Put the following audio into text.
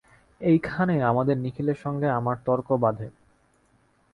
এইখানেই আমাদের নিখিলের সঙ্গে আমার তর্ক বাধে।